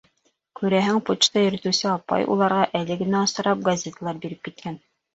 Күрәһең, почта йөрөтөүсе апай уларға әле генә осрап, газеталар биреп киткән.